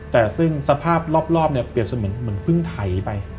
แต่ซึ่งสภาพรอบเปรียบเหมือนเพิ่งไถไป